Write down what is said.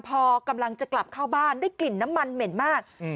พอกำลังจะกลับเข้าบ้านได้กลิ่นน้ำมันเหม็นมากอืม